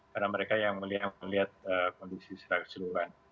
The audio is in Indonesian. karena mereka yang melihat kondisi secara keseluruhan